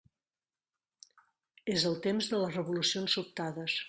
És el temps de les revolucions sobtades.